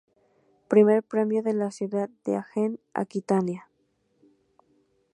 Primer premio de la ciudad de Agen-Aquitania.